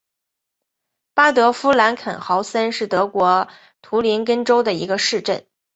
巴德夫兰肯豪森是德国图林根州的一个市镇。